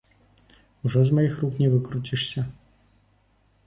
Ужо з маіх рук не выкруцішся!